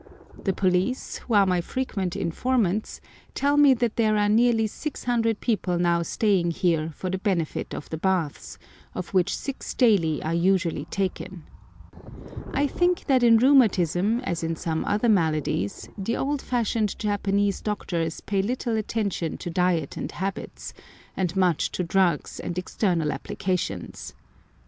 The police, who are my frequent informants, tell me that there are nearly 600 people now staying here for the benefit of the baths, of which six daily are usually taken. I think that in rheumatism, as in some other maladies, the old fashioned Japanese doctors pay little attention to diet and habits, and much to drugs and external applications.